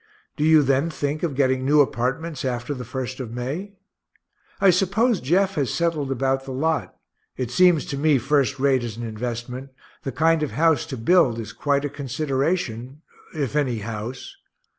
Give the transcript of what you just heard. Do you then think of getting new apartments, after the 1st of May? I suppose Jeff has settled about the lot it seems to me first rate as an investment the kind of house to build is quite a consideration (if any house).